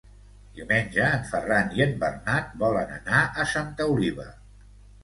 Diumenge en Ferran i en Bernat volen anar a Santa Oliva.